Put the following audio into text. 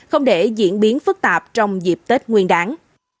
không để diễn biến phức tạp trong dịp tết nguyên đáng